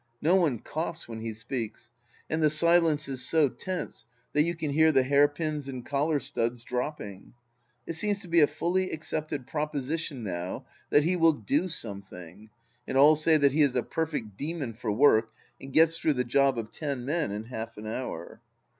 No one coughs when he speaks, and the silence is so tense that you can hear the hairpins and collar studs dropping. It seems to be a fully accepted proposition now that he " will do something," and all say that he is a perfect demon for work and gets through the job of ten men in half an hour.